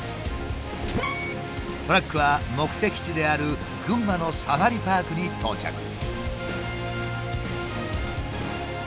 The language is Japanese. トラックは目的地である群馬のサファリパークに到着。